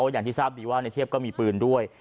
อย่างที่ทราบดีว่าในเทียบก็มีปืนด้วย